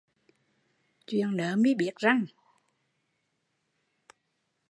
Chuyện nớ mi biết răng